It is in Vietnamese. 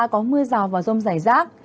có mưa rào và rông rải rác